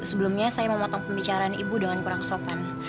sebelumnya saya mau motong pembicaraan ibu dengan kurang sopan